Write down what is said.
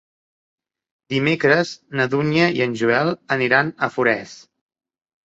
Dimecres na Dúnia i en Joel aniran a Forès.